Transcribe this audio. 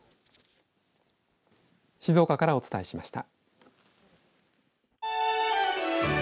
静岡からお伝えしました。